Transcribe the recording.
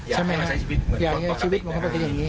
อยากให้อาศัยชีวิตเหมือนปกติอย่างนี้